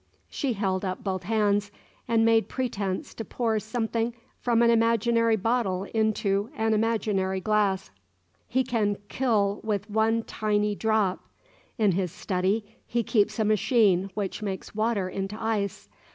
She held up both hands, and made pretence to pour something from an imaginary bottle into an imaginary glass. "He can kill with one tiny drop. In his study he keeps a machine which makes water into ice.